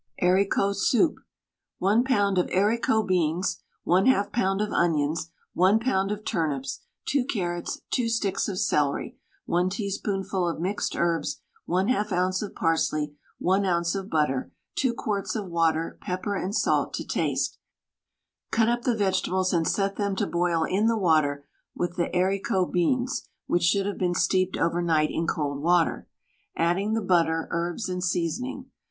HARICOT SOUP. 1 lb. of haricot beans, 1/2 lb. of onions, 1 lb. of turnips, 2 carrots, 2 sticks of celery, 1 teaspoonful of mixed herbs, 1/2 oz. of parsley, 1 oz. of butter, 2 quarts of water, pepper and salt to taste. Cut up the vegetables and set them to boil in the water with the haricot beans (which should have been steeped over night in cold water), adding the butter, herbs, and seasoning.